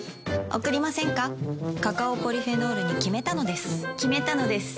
カカオポリフェノールに決めたのです決めたのです。